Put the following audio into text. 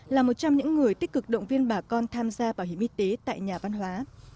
là một trong những người tích cực động viên bà con tham gia bảo hiểm y tế tại nhà văn hóa